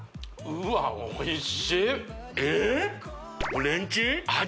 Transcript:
うんおいしい！